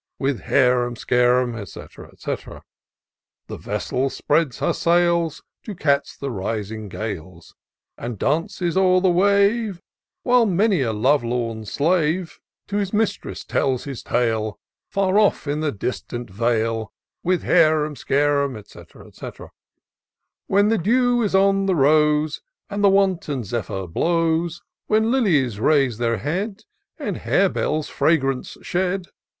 With harum scarum, &c. &c. The vessel spreads her sails To catch the rising gales, And dances o'er the wave ; While many a lovelorn slave To his mistress tells his tale, Far off in the distant vale ; With harum scarum, &c. &c. When the dew is on the rq^e, And the wanton zephyr blows ; When lilies raise their head, And harebells fragrance shed.